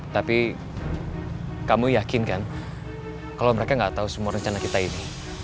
tapi kamu yakin kan kalau mereka gak tahu semua rencana kita ini